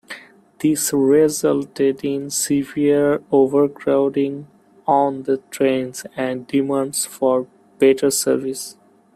This resulted in severe overcrowding on the trains and demands for better service.